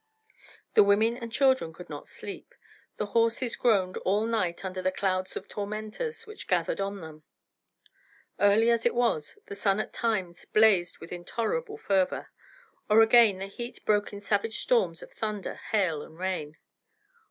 The women and children could not sleep, the horses groaned all night under the clouds of tormentors which gathered on them. Early as it was, the sun at times blazed with intolerable fervor, or again the heat broke in savage storms of thunder, hail and rain.